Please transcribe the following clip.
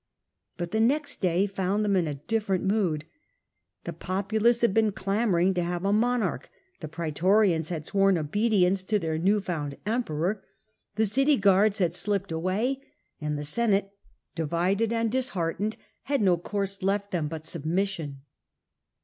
But the next day found them in different mood. The populace had been clamouring to have a monarch, the praetorians had sworn and saluted to their new found emperor, the him Em city guards had slipped away, and the Senate, peror. divided and disheartened, had no course left them but submission.